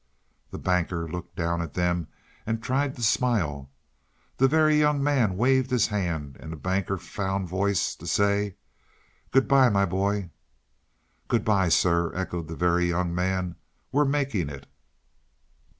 The Banker looked down at them and tried to smile. The Very Young Man waved his hand, and the Banker found voice to say: "Good by, my boy." "Good by, sir," echoed the Very Young Man. "We're making it."